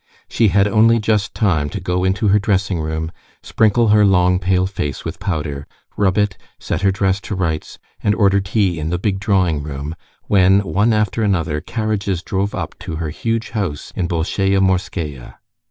She had only just time to go into her dressing room, sprinkle her long, pale face with powder, rub it, set her dress to rights, and order tea in the big drawing room, when one after another carriages drove up to her huge house in Bolshaia Morskaia.